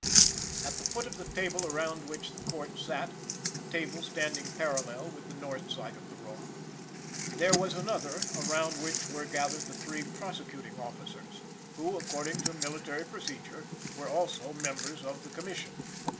At the foot of the table around which the Court sat the table standing parallel with the north side of the room there was another, around which were gathered the three prosecuting officers, who, according to military procedure, were also members of the Commission.